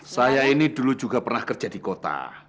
saya ini dulu juga pernah kerja di kota